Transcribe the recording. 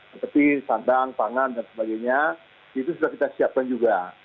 seperti sandang pangan dan sebagainya itu sudah kita siapkan juga